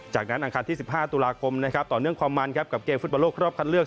จากนั้นอังคารที่๑๕ตุลาคมนะครับต่อเนื่องความมันครับกับเกมฟุตบอลโลกรอบคัดเลือก